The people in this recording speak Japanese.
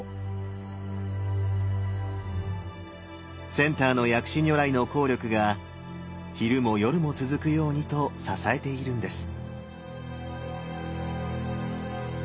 センターの薬師如来の効力が昼も夜も続くようにと支えているんです。